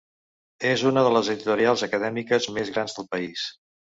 És una de les editorials acadèmiques més grans del país.